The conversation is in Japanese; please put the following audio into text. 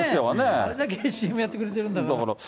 あれだけＣＭやってくれてるんだから。